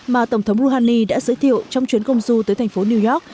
mà tổng thống rouhani đã giới thiệu trong chuyến công du tới thành phố new york